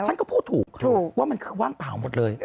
ท่านก็พูดถูกว่ามันคือว่างเปล่าหมดเลย